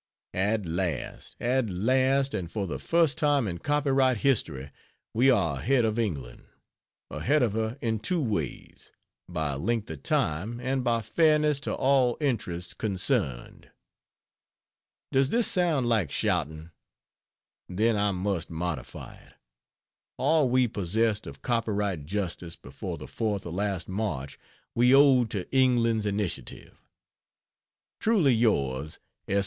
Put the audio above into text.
At last at last and for the first time in copyright history we are ahead of England! Ahead of her in two ways: by length of time and by fairness to all interests concerned. Does this sound like shouting? Then I must modify it: all we possessed of copyright justice before the fourth of last March we owed to England's initiative. Truly Yours, S.